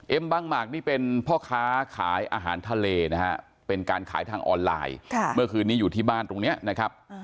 บางหมากนี่เป็นพ่อค้าขายอาหารทะเลนะฮะเป็นการขายทางออนไลน์เมื่อคืนนี้อยู่ที่บ้านตรงนี้นะครับ